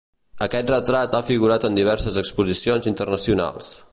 Aquest retrat ha figurat en diverses exposicions internacionals.